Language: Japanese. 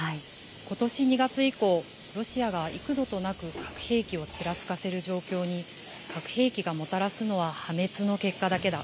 ことし２月以降、ロシアが幾度となく核兵器をちらつかせる状況に、核兵器がもたらすのは破滅の結果だけだ。